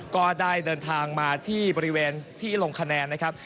ก็ได้เดินทางมาที่บริเวณที่ลงคะแนนนะครับ